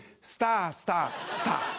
スタースタースター。